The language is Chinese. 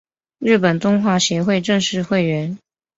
日本动画协会正式会员。